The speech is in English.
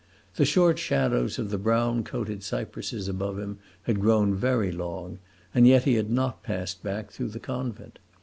The short shadows of the brown coated cypresses above him had grown very long, and yet he had not passed back through the convent.